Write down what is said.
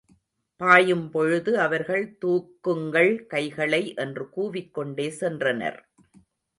பாயும்பொழுது அவர்கள் தூக்குங்கள் கைகளை என்று கூவிக்கொண்டே சென்றனர்.